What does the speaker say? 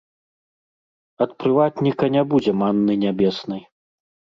Ад прыватніка не будзе манны нябеснай.